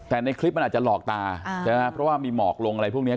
แต่ในคลิปมันอาจจะหลอกตาใช่ไหมเพราะว่ามีหมอกลงอะไรพวกนี้